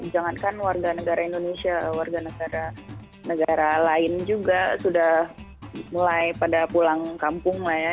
jangankan warga negara indonesia warga negara lain juga sudah mulai pada pulang kampung lah ya